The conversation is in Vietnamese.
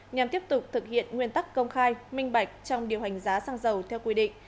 nhằm tiếp tục thực hiện nguyên tắc công khai minh bạch trong điều hành giá xăng dầu theo quy định